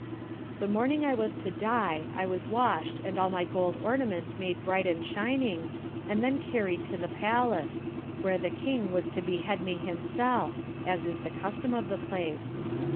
The morning I was to die, I was washed and all my gold ornaments made bright and shining, and then carried to the palace, where the King was to behead me himself (as is the custom of the place).